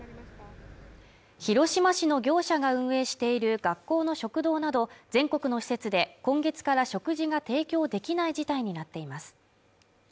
広島市の業者が運営している学校の食堂など全国の施設で今月から食事が提供できない事態になっています